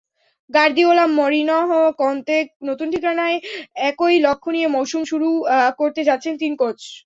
Guardiola, Mourinho, কন্তে—নতুন ঠিকানায় একই লক্ষ্য নিয়ে মৌসুম শুরু করতে যাচ্ছেন তিন কোচ।